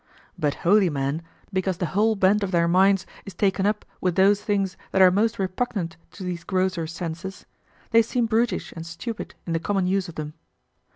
But holy men, because the whole bent of their minds is taken up with those things that are most repugnant to these grosser senses, they seem brutish and stupid in the common use of them.